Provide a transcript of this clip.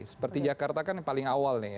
seperti jakarta kan paling awal nih ya